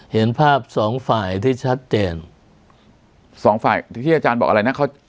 เห็นภาพสองฝ่ายที่ชัดเจนสองฝ่ายที่อาจารย์บอกอะไรนะเขา